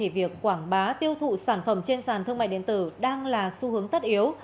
việc quảng bá tiêu thụ sản phẩm trên sàn thương mại điện tử đang là xu hướng tất yếu